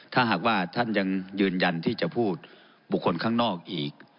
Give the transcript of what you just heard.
ถ้าหากว่าท่านยังยืนยันที่จะพูดบุคคลข้างนอกอีก